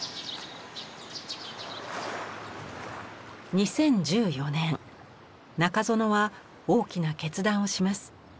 ２０１４年中園は大きな決断をします。